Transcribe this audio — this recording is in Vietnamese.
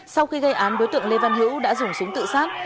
sau khi gây án đối tượng lê văn hữu đã dùng súng tự sát